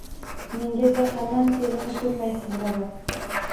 Menga Jahannam selini ko’rmaysiz ravo